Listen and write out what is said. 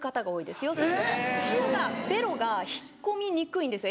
要するに舌がベロが引っ込みにくいんですよ